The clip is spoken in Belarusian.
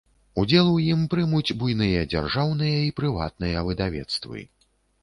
Удзел у ім прымуць буйныя дзяржаўныя і прыватныя выдавецтвы.